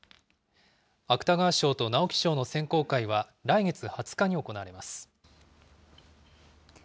芥川賞と直木賞の選考会は来月２０日に行われます。